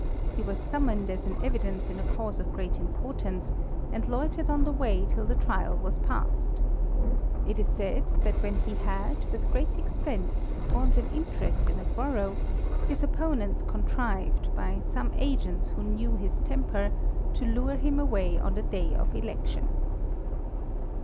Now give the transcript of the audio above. He was summoned as an evidence in a cause of great importance, and loitered on the way till the trial was past. It is said that when he had, with great expense, formed an interest in a borough, his opponents contrived, by some agents who knew his temper, to lure him away on the day of election.